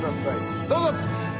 どうぞ！